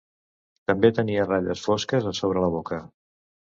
També tenia ratlles fosques a sobre la boca.